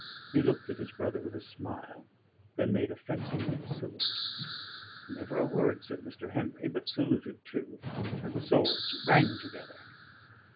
He looked at his brother with a smile; then made a fencing room salute. Never a word said Mr. Henry, but saluted too, and the swords rang together.